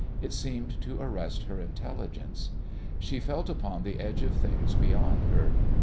It seemed to arrest her intelligence. She felt upon the edge of things beyond her.